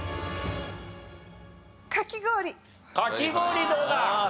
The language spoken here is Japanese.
かき氷どうだ？